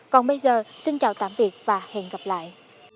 còn bây giờ xin chào tạm biệt và hẹn gặp lại